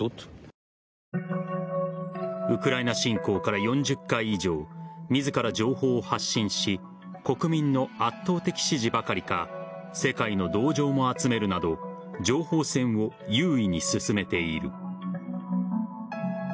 ウクライナ侵攻から４０回以上自ら情報を発信し国民の圧倒的支持ばかりか世界の同情も集めるなど情報戦を優位に進めている。